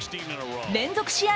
連続試合